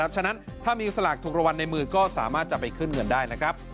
ฉะนั้นถ้ามีสลักถูกรวรรณในมือก็สามารถจะไปขึ้นเงินได้